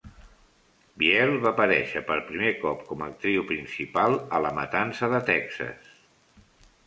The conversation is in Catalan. Biel va aparèixer per primer cop com a actriu principal a "La matança de Texas".